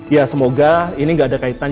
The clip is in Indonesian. ya semoga ini tidak ada kaitannya